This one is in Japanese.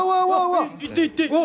行って行って！